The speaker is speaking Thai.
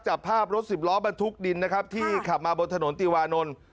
จับภาพรถสิบล้อบรรทุกดินนะครับที่ขับมาบนถนนติวานนท์